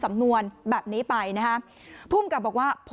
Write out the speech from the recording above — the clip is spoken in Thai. สองสามีภรรยาคู่นี้มีอาชีพ